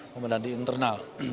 pembenahan di internal